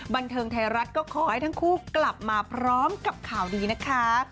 บันเทิงไทยรัฐก็ขอให้ทั้งคู่กลับมาพร้อมกับข่าวดีนะคะ